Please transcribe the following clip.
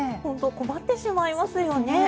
困ってしまいますよね。